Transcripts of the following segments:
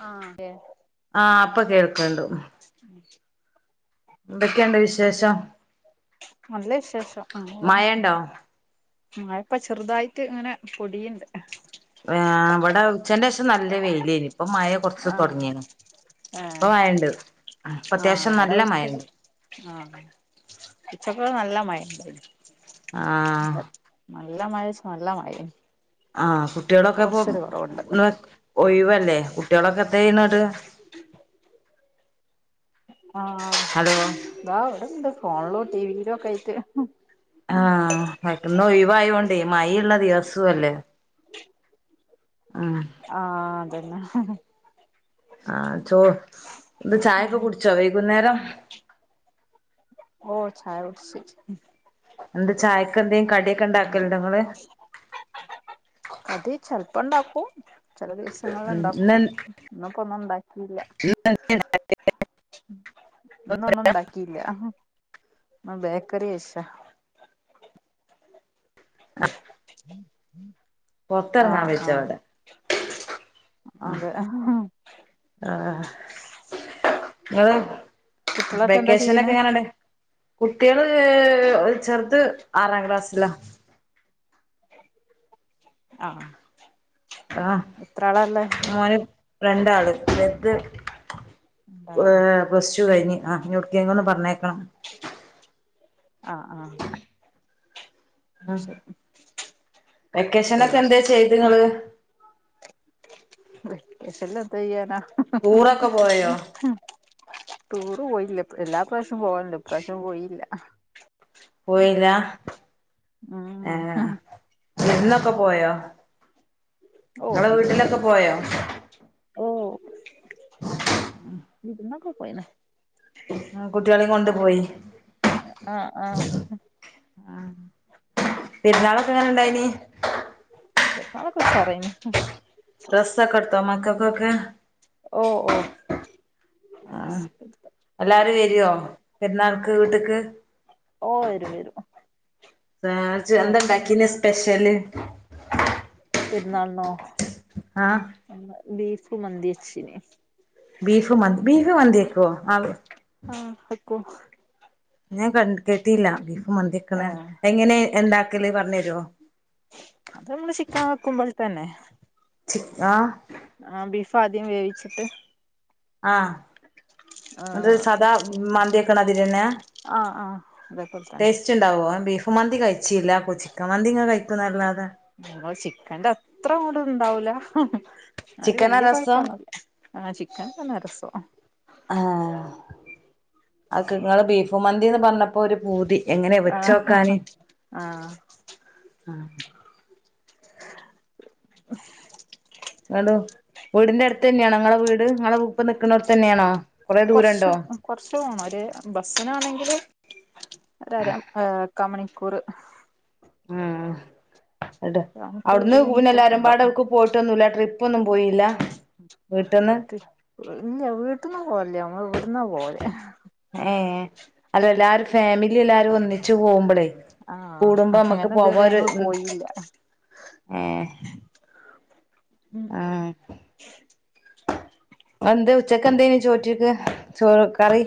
ആഹ് അതെ ആഹ് അപ്പൊ കേൾക്കണ്ടൂ എന്തൊക്കെണ്ട് വിശേഷം നല്ല വിശേഷം അങ്ങനെ മയണ്ടോ ഇപ്പൊ ചെറുതായിട്ട് ഇങ്ങനെ പൊടിയ്ണ്ട് ആ ഇവട ഉച്ചൻ്റെ ശേ ത്ത് നല്ല വെയിലേനു ആഹ് ഇപ്പൊ ആഹ് മഴണ്ട് ഇപ്പൊ ആഹ് അത്യാവശ്യം ഇവട നല്ല ഉച്ചക്ക് മഴണ്ട് ആഹ് ഇപ്പക്കെ നല്ല മയണ്ടാരുന്ന് ആഹ് നല്ല മഴേച് നല്ല മഴേ ആഹ് കുട്ടികളൊക്കെ പ്പൊ [unintelligible] ഒയിവ ല്ലേ കുട്ടികളൊക്കെ പെയ്യുന്നത് ആഹ് ദാ വടെണ്ട് ഫോണിലും ടിവിലും ഒക്കെ ആയിട്ട് ആഹ് പെട്ടെന്ന് ഒയിയും വായോണ്ടേ മയ ള്ള ദിവസോം അല്ലേ ഉം ആ തന്ന ആഹ് ചോ ന്ന് ചായൊക്കെ കുടിച്ചോ വൈകുന്നേരം ഓ ചായ കുടിച്ച് ഉം ന്ത് ചായക്കെന്തേ? കടീക്ക ഇണ്ടാക്കലുണ്ടോ ങ്ങള് പ്പണ്ടാക്കും ചെല ദിവസങ്ങളില് ഉണ്ടാക്കും, ഇന്ന് ഇന്ന് ഇപ്പോ ഒന്നും ഉണ്ടാക്കിയില്ല, ഇന്ന് ഒന്നും ഉണ്ടാക്കിയില്ല. ഉം ബേക്കറി ഇശ അ പൊത്തെറങ്ങാൻ ആഹ് പറ്റോ ആഹ് അവിടെ അതെ [unintelligible] കുട്ടികളൊക്കെ എന്താ വെക്കേഷൻ ചെയ്യണ് ഒക്കെ എങ്ങനെ ഉണ്ടായി? കുട്ടികള് അ ചെറുത് ആറാംക്ലാസ് ഇല ആഹ്. ആഹ് എത്ര ആളാള്ളെ ആ രണ്ടാള് [unintelligible] ങ്ഹ് പ്ലസ് റ്റു കഴിഞ്ഞ് [unintelligible] ഒന്ന് പറഞ്ഞേക്കണം. ആഹ് ആഹ്. ഉം ശരി വെക്കേഷനൊക്കെ എന്താ ചെയ്തിനത്? വെക്കേഷനിൽ എന്ത് ചെയ്യാനാ? ടൂറൊക്കെ പോയോ ടൂർ പോയില്ല എല്ലാ പ്രാവശ്യം പോകലുണ്ട് ഇപ്രാവശ്യം പോയില്ല. പോയില്ലാ ആഹ്. ഉം വിരുന്നൊക്കെ പോയോ? ഓ നിങ്ങള വിരുന്നൊക്കെ വീട്ടിലൊക്കെ പോയോ? ഓ [unintelligible] പോ കുട്ടികളെയും കൊണ്ട് പോയി. ആഹ് ആഹ് ആഹ്. പെരുന്നാളൊക്കെ എങ്ങനെ ഇണ്ടായിനി? പെരുന്നാളൊക്കെ ഉഷാറായിന്. ഡ്രസ്സൊക്കെ എടുത്ത മക്ക കൊക്കെ. ഓ ഓ ആഹ് എല്ലാരും വരുവോ പെരുന്നാൾ വീട്ടിക്ക്? ഓ വരും വരും [unintelligible] നാത്തൂ എന്താണ്ടാക്കിനി സ്പെഷ്യല്? പെരുന്നാളിനോ? ആഹ്. ബീഫ് മന്തി വെച്ച്. ബീഫ് മ ബീഫ് മന്തി വെക്കുവോ ആ ആഹ്. കു ഞാൻ കേട്ടില്ല ബീഫ് മന്തിയക്കണ ഏഹ് എങ്ങനെ എന്ത ക്കലി പറഞ്ഞ തരുമോ [unintelligible] ചിക്കൻ വെക്കുമ്പോൾ തന്നെ ചിക് ആ ആ ബീഫ് ആദ്യം വേവിച്ചിട്ട് ആ അത് ആഹ് സാദാ മന്ദി ക്ണ മതിരി ന്നെ ആ ആ അതേപോലെ തന്നെ ടേസ്റ്റ് ണ്ടാവോ അ ബീഫ് ഫ് മന്തി കഴിച്ചില്ല ചിക്കൻ മന്തി ഇങ്ങനെ കഴിക്കും അല്ലാതെ നമ്മളെ ചിക്കന്റെ അത്ര കൂടെ ഉണ്ടാവൂല്ല ന്നാലും ചിക്കനാ വല്യ രസം കുഴപ്പൊന്നുല്ല ആ ചിക്കൻ പിന്ന രസോ അഹ്കെ ങ്ങള് ബീഫുമന്തിന്ന് പറഞ്ഞപ്പോ ഒരു പൂതി എങ്ങനെ ആഹ് വെച്ചോക്കാന് ആഹ് [unintelligible] ങ്ങട് വീടിന്റെ അടുത്ത് തന്നെയാണോ ങ്ങളെ വീട് നിങ്ങളെ ഇപ്പ നിക്കണോടത്ത് തന്നെയാണോ കൊറെ ദൂരണ്ടോ കൊർച്ചും കൊർച്ചും ഒര് ബസ്സിനാണെങ്കില് ഒരു അര ആ കാ മണി കുർ ഉം അട്ട് കാമണിക്കൂർ അവിടുന്ന് ഇരുപത് പിന്നെ മിനിറ്റൊക്കെ എല്ലാരമ്പാട ഉണ്ടാവും ഒക്ക് പോയിട്ടൊന്നുല്ല ട്രിപ്പ്‌ ഒന്നും പോയില്ല വീട്ടിന്ന് ഇല്ല വീട്ട്ന്നും പോവല്ല നമ്മൾ ഇവിട് എന്ന പോല് ഏ അല്ല എല്ലാരും ഫാമിലി എല്ലാരും വന്നി ച്ചു പോവുമ്പളേ ആഹ് കൂടുമ്പോ നമ്മുക്ക് അങ്ങനെ പോവാ ഇതുവരെ ഒരു ഞങ്ങള് പോയില്ല ഉം ആ അഹ് ന്തെ ച്ചക്ക് എന്തേഞ്ഞി ചോറ്റിക്ക് ചോ കറി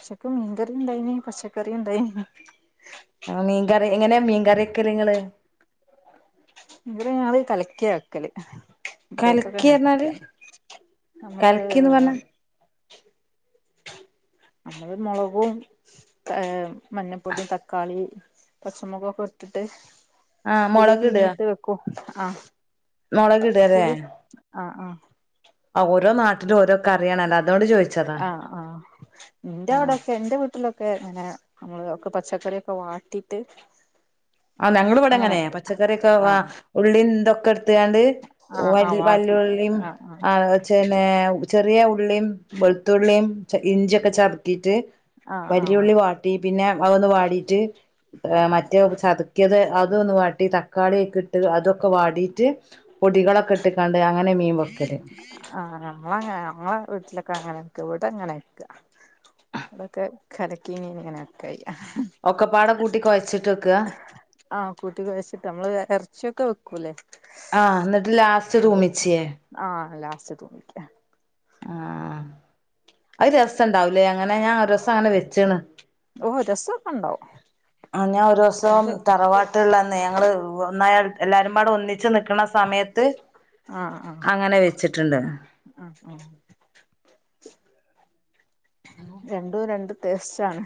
ഉച്ചക്ക് മീൻകറി ണ്ടായിനി പച്ചക്കറി ണ്ടായിനി ആ മീൻകറി എങ്ങനെയാ മീൻകറി ക്കല് ങ്ങള് ഇവര് ഞള് കലക്കിയ വക്കല് ഇവിടേക്കൊക്കെ കലക്കി അങ്ങനെ പറഞ്ഞാല് വെക്ക നമ്മള് കലക്കിന്ന് പറഞ്ഞാ നമ്മള് മുളകുംകേ മഞ്ഞപ്പൊടി തക്കാളി പച്ചമൊകൊക്കെ ഇട്ടിട്ട് ആഹ് മുളകിട അഹ് മുളകിട ലെ ആഹ് ആ ഓരോ നാട്ടിലും ഓരോ കറിയാണ് അല്ലാ ആ ആ എന്റെ ആഹ് അവിടെക്കെ എൻ്റെ വീട്ടിലൊക്കെ അങ്ങനെ നമ്മളക്കെ പച്ചക്കറിയൊക്കെ വാട്ടിട്ട് ആ ഞങ്ങള് അങ്ങനെ ഇവടെങ്ങനെയാ. വെക്ക പച്ചക്കറിയൊക്കെ വാ ആഹ് ഉള്ളിന്തൊ കെടുത്ത് ത്താണ്ട് ആഹ് ആഹ് വല്യ വാട്ടിട്ട് വല്യുള്ളിയും ആഹ് ആഹ് ചേന വേ ചെറിയ ഉള്ളിയും വെളുത്തുള്ളിയും ഇഞ്ചിയൊക്കെ ചതിക്കീട്ട് ആഹ് ആഹ് വല്യുള്ളി വാട്ടി പിന്നെ അതൊന്ന് വാടിട്ട് മറ്റെതെന്ന് ചത ക്കിത് അതും ഒന്നു വാട്ടിതാ. കാടിക്കേ ഇട്ട് അതൊക്കെ വാടിയിട്ട് പൊടികളൊക്കെ ഇട്ട് കാണ്ട് അങ്ങനെ മീൻ വറുക്കും. ആ ഞമ്മള് അങ്ങനാ. ഞമ്മളെ വീട്ടിലൊക് ക്കെ അങ്ങനൊക്കെ. ഇവടെ അങ്ങനെവെക്കാ ക്കാ ഇവടൊക്കെ കലക്കി മീൻ ഇങ്ങനെയെക്കായി ഒക്കെപ്പാടെ കൂട്ടി കൊഴച്ചിട്ട് വെക്ക്വാ? ആഹ് കൂട്ടി കുഴച്ചിട്ട് നമ്മള് ഇറച്ചിയൊക്കെ വെക്കൂലേ ആ എന്നിട്ട് ലാസ്റ്റ് അതുമിച്ച് ആ ലാസ്റ്റ് അതുമിക്കുക. ആ അത് രസം ഉണ്ടാവ് ല്ലേ? അങ്ങനെ ഞാൻ ഒര്സം അങ്ങനെ വെച്ചേണ്. ഓ രസോക്കെണ്ടോ? ആ ഞാൻ ഒര്സം തറവാട്ടൊള്ളന്ന് [unintelligible] ഞങ്ങള് ഒന്നായി എല്ലാരുവടെ ഒന്നിച്ച് നിക്ക ക്കണ സമയത്ത് ആഹ് ആഹ് അങ്ങനെ വെച്ചിട്ട്ണ്ട് ആഹ് ആഹ് രസാണ്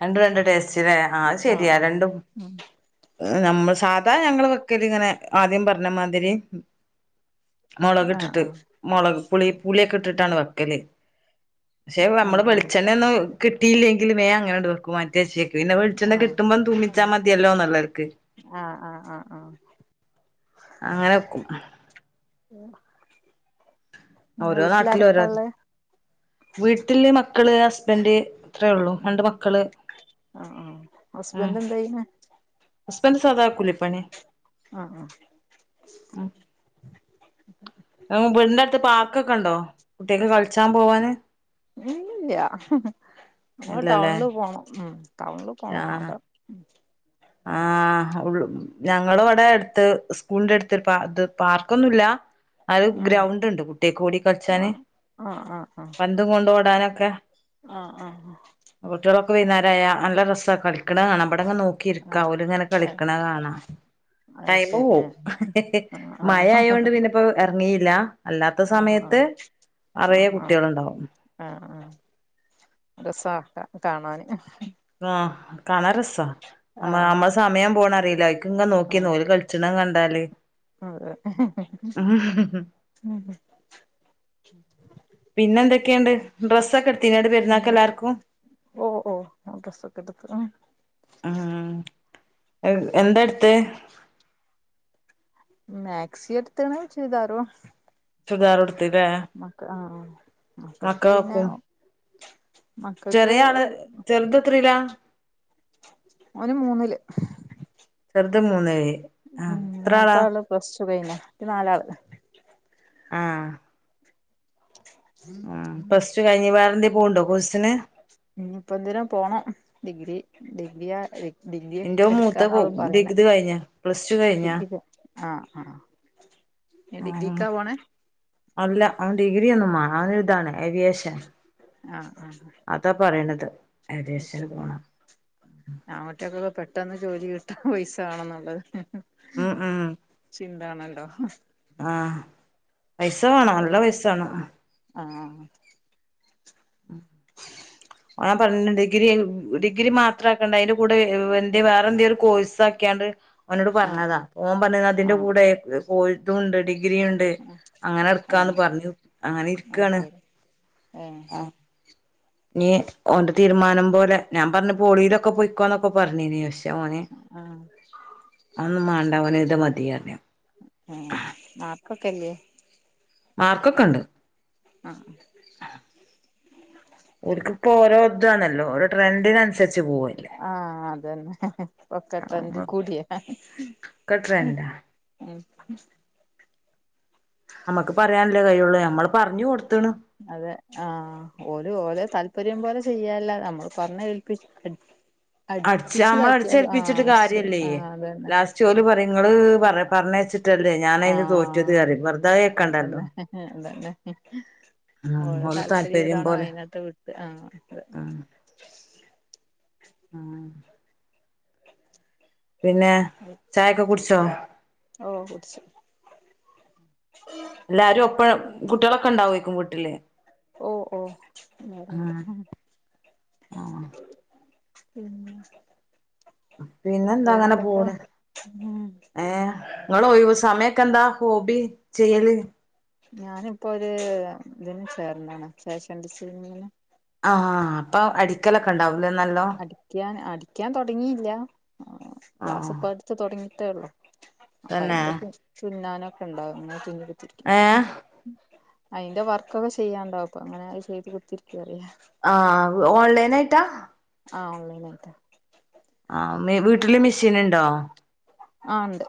രണ്ടും രണ്ട് ടേസ്റ്റിലേ ആഹ് അത് ആഹ് ശെരിയാ ആഹ് രണ്ടും ഉം നമ്മൾ സാധാ ഞങ്ങൾ വെക്കല് ഇങ്ങനെ ആദ്യം പറഞ്ഞമാതിരി മുളക് ആഹ് ഇട്ടിട്ട് ആഹ് മുളക് പുളി പുളിയൊക്കെ ഉം ഇട്ടിട്ടാണ് വെക്കല് ക്ഷെ ആഹ് നമ്മള് ആഹ് വെളിച്ചെണ്ണ ഒന്ന് കി കിട്ടിയില്ലേ വേഗം അങ്ങനങ്ങോണ്ട് വെക്കും [unintelligible] പിന്നെ വെളിച്ചെണ്ണ കിട്ടുമ്പം ആഹ് തൂമിച്ചാ ആഹ് മതിയല്ലോ നല്ലർക്ക് ആഹ് ആഹ് ആഹ് അങ്ങനൊക്കും ഇങ്ങളെ ഓരോ നാട്ടിലും ഓരോ വീട്ടിലാരൊക്കാ ഇള്ളെ വീട്ടില് മ മക്കള് ഹസ്ബൻഡ് അത്രേ ഉള്ളൂ ഉം രണ്ട് മക്കള് ആഹ് ആഹ് ഉം ഹസ്ബൻഡ് എന്ത് ചെയ്യ്ണ് ഹസ്ബൻഡ് സാദാ കൂലിപ്പണി ആഹ് ആഹ് വീടിന്റെ അടുത്ത് പാർക്കൊക്കെ ഉണ്ടോ കുട്ടികക്ക് കളിച്ചാൻ പോവാന് [unintelligible] ഇല്ല്യ [unintelligible] ഇല്ലല്ലേ ടൗണില് പോണം ഉം ടൗണില് പോണം ആഹ് അതാ. ആഹ് ഉള്ളൂ ഞങ്ങള് അവിടെ അടുത്ത് സ്കൂളിന്റെ അടുത്ത് ഇത് പാർക്കൊന്നുല്ലാ അത് ഉം ഗ്രൗണ്ട് ഉണ്ട് കുട്ടികക്ക് ഓടി കളിച്ചാന് ആഹ് ആഹ് ആഹ് പന്തും കൊണ്ട് ഓടാനൊ ക്കെ ആഹ് ആഹ് വൈകുന്നേരായാ നല്ല രസാ കളിക്കണ കാണാം. ഇവടങ്ങ് നോക്കിയി ആഹ് ഓലിങ്ങനെ ഇങ്ങനെ ആഹ് കളിക്കണ കാണാം അത് ടൈമ് ശരി പോവും ആഹ് ആഹ് മഴ ആയോണ്ട് പിന്നിപ്പോ ഇറങ്ങിയില്ല അല്ലാത്ത ആഹ് ആഹ് സമയത്ത് നിറയെ ആഹ് ആഹ് കുട്ടികളുണ്ടാവും. ആഹ് ആഹ് രസാ കാണാന്. ആഹ് കാണാൻ രസാ. നമ്മ ആഹ് നമ്മളെ സമയം പോണതറിയില്ല ഇക്ക് ഇങ്ങ് ആഹ് നോക്കിന്നോല് കളിച്ച അതെ [unintelligible] ഉം പിന്നെന്തൊക്കെയുണ്ട്? ഡ്രസ്സൊക്കെ എ ത്തിനാ പെരുന്നാക്ക് എല്ലാർക്കും? ഓഹ് ഓഹ് ഡ്രസ്സൊക്കെ എടുത്ത് ആഹ് എ എന്താ എടുത്തേ? മാക്സി എടുത്ത്ണ് ചുരിദാറും. ചുരുദാർ ത്തില്ല മക്ക മക്കൾക്ക് പിന്നെ വക്കും മക്കൾക്ക് ചെറിയാള് ചെറുതെത്രേലാ? ഓന് മൂന്നില് ചെറുത് മൂന്നേ ഉം മൂത്താള് പ്ലസ് ടു കഴിഞ്ഞ് ക്ക് നാലാള്. ആഹ് ആ ഫസ്റ്റ് കഴിഞ്ഞവാറിന്റെ പോണുണ്ടോ കോഴ്സിന്? ഇനിയിപ്പ എന്തേലും പോണം ഡിഗ്രി ഡിഗ്രിയ ഡി ഡിഗ്രി എന്റെ മൂത്ത എടുക്കാന്നള് പറയുന്നേ ഡിഗ്രി കഴിഞ്ഞ പ്ലസ് ടു കഴിഞ്ഞ ഡിഗ്രി ആഹ് ആഹ് ആ ഡിഗ്രിക്കാ പോണേ അല്ല [unintelligible] ഇതാണ് ഏവിയേഷൻ അതാ പറയണത്. ഏവിയേഷന് ശരി പോണം ങ്ങട്ടൊക്കൊക്കെ പെ പട്ടെന്ന് ജോലി കിട്ടാൻ പൈസ വേണെന്നുള്ളത് ഉം ഉം ആഹ് പൈസ വേണം നല്ല ഓള് പൈസ വേണം ആഹ് [unintelligible] ഡിഗ്രി ഡിഗ്രി മാത്ര ആക്കേണ്ട അതിന്റെ കൂടെ എ വേറെ എന്തെ ഒരു കോഴ്സ് ആക്കിയാണ്ട് ഓനോട്‌ ആഹ് പറഞ്ഞതാ ആഹ് ഓൻ പറഞ്ഞ അതിന്റെ ആഹ് കൂടെ പോയിട്ടോണ്ട് ഡിഗ്രി ഉണ്ട് അങ്ങനെ എടുക്കാന്ന് ഏഹ് പറഞ്ഞു അങ്ങനെ അത് ഇരിക്കയാണ് ശരി ഏഹ് നീ ഓന്റെ തീരുമാനം പോലെ ഞാൻ പറഞ്ഞ പോളിയിലൊക്കെ പൊയ്ക്കോന്നൊക്കെ പറഞ്ഞീനി പക്ഷെ ഓന് ആഹ് അതൊന്നും മണ്ടാവന് ഇത് മ [unintelligible] ഏഹ് മാർക്കൊക്കെല്ലേ മാർക്കൊക്കെ ഉണ്ട് ആഹ് ഒരു ട്രൻന്റിന് അന് ആഹ് അതന്നെ പക്കത്തെന്ത് ട്രെൻഡ് കൂടിയാ ഒക്കെ ട്രെൻഡാ നമ്മക്ക് പറയാനല്ലേ കഴിയുള്ളു ഞമ്മൾ പറഞ്ഞു കൊടുത്തണ് അതെ ചെയ്യാല നമ്മള് പറഞ്ഞ വിളിപ്പി അടച്ച് നമ്മള അടിച്ചേൽപ്പിച്ചിട്ട് കാര്യല്ലേ ആഹ് അതന്നെ ലാസ്റ്റ് ഓര് പറയും നിങ്ങള് പറ പറഞ്ഞയച്ച് ല്ലേ ഞാന് അന് തോറ്റത് ആഹ് പറയും വെറുതേ വെക്കണ്ടല്ലോ ഓര താല്പര്യം ഇതണോ പോലെ അതിനത്തു വിട്ട് ആഹ് അ ഉം ഉം പിന്നെ ചായൊക്കെ കുടിച്ചോ ഓ കുടിച്ചു എല്ലാരും ഒപ്പം കുട്ട്യേളൊക്കെണ്ടാവേക്കും വീട്ടില് ഓ ഓ ല്ലാരുണ്ട് ആഹ് ആഹ് ഉം പിന്നെന്താ അങ്ങനെ പോണ് ഉം ഏ ങ്ങളൊയിവ് സമയമൊക്കെന്താ ഹോബി ചെയ്യല് ഞാനിപ്പോ ഒര് ത്‌ന് ചേർന്ന്ണ് ഫേഷൻ ഡിസൈനിങ്ങിന് ആ അപ്പൊ അടി അടിക്കൻ അടിക്കാൻ തൊടങ്ങീല്ല ആഹ് ക്ലാസ്പ്പട്ത്ത് തുടങ്ങി ട്ടേള്ളൂ തന്നെ അപ്പയ്ന്റെ തുന്നാനും [unintelligible] ഏഹ് അയ്ന്റെ വർക്കൊക്കെ ചെയ്യാണ്ടും അപ്പ അങ്ങനെ ചെയ്ത് കുത്തിരി ആ ഓൺലൈനായിട്ടാ ആ ഓൺലൈനായിട്ട ആ മി വീട്ടില് മെഷീൻ ണ്ടോ ആ ണ്ട്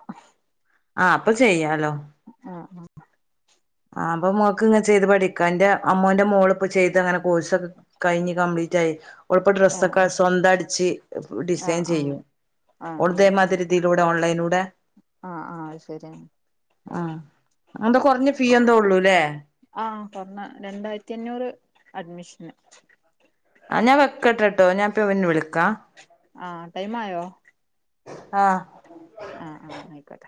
ആ അപ്പൊ ചെയ്യാലോ [unintelligible] ആ അപ്പൊ മോക്ക് ഇങ്ങെ ചെയ്ത് പഠിക്കാം ന്റെ അമ്മോന്റെ മോള് പ്പോ ചെയ്ത് അങ്ങനെ കോഴ്സൊക്കെ കഴിഞ്ഞ് കംപ്ലീറ്റ് ആയി ഓൾപ്പ ആ ഡ്രെസ്സൊക്കെ ആ സ്വന്തടിച്ച് ആ ഡിസൈൻ ചെയ്യും ആ ആ ആ ഒള്തേമാതിരി തിയിലൂടെ ഓൺലൈനൂടെ ആ ആ അത് ശരിയാണ് ആ അന്താ കൊറഞ്ഞ് ഫീ യെന്തോള്ളു ലേ ആ കൊറ്ഞ്ഞ രണ്ടായിരത്തിഅഞ്ഞൂറ് അഡ്മിഷന് ന്നാ ഞാൻ വെക്കട്ടെട്ടോ ഞാൻപ്പ പിന്നെ വിളിക്കാ ആ ടൈം ആയോ ആ ആഹ് ആഹ് ആയിക്കോട്ടെ